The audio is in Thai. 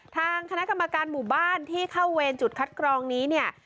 ทางคณะกรรมการหมู่บ้านที่เข้าเวรจุดคัดกรองนี้เนี่ย